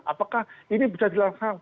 apakah ini bisa jelasin